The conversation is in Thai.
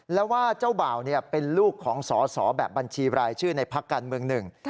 แล้วว่าเจ้าบ่าวเป็นลูกของสอสอแบบบัญชีรายชื่อในพักการเมืองหนึ่ง